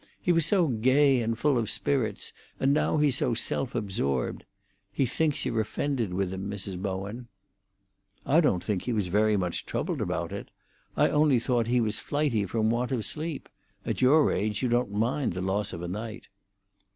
He was so gay and full of spirits; and now he's so self absorbed. He thinks you're offended with him, Mrs. Bowen." "I don't think he was very much troubled about it. I only thought he was flighty from want of sleep. At your age you don't mind the loss of a night."